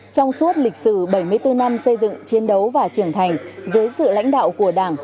trong suốt lịch sử bảy mươi bốn năm xây dựng chiến đấu và trưởng thành dưới sự lãnh đạo của đảng